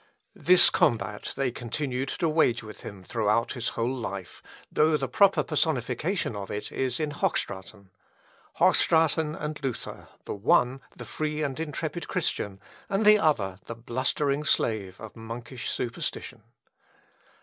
This combat they continued to wage with him throughout his whole life, though the proper personification of it is in Hochstraten; Hochstraten and Luther the one, the free and intrepid Christian, and the other, the blustering slave of monkish superstition.